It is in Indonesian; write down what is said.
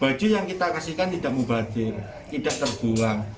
baju yang kita kasihkan tidak mubadir tidak terbuang